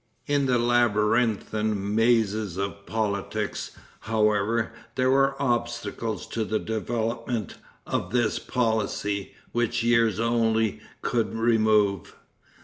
In the labyrinthine mazes of politics, however, there were obstacles to the development of this policy which years only could remove.